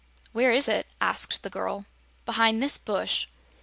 "Where is it?" asked the girl. "Behind this bush."